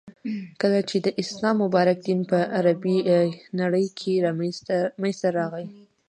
،کله چی د اسلام مبارک دین په عربی نړی کی منځته راغی.